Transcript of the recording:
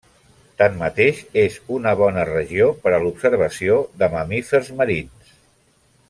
Tanmateix, és una bona regió per a l'observació de mamífers marins.